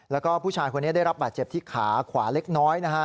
แล้วก็ผู้ชายคนนี้ได้รับบาดเจ็บที่ขาขวาเล็กน้อยนะฮะ